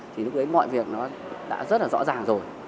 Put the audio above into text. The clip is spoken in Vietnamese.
thì lúc ấy mọi việc nó đã rất là rõ ràng rồi